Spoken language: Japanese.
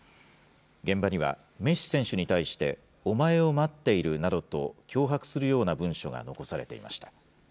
現場にはメッシ選手に対して、お前を待っているなどと、脅迫するような文書が残されていました。